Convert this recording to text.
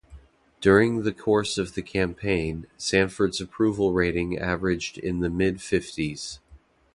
During the course of the campaign, Sanford's approval rating averaged in the mid fifties.